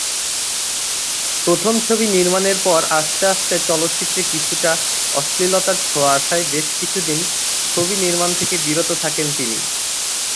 প্রথম ছবি নির্মাণের পর আস্তে আস্তে চলচ্চিত্রে কিছুটা অশ্লীলতার ছোঁয়া আসায় বেশ কিছুদিন ছবি নির্মাণ থেকে বিরত থাকেন তিনি।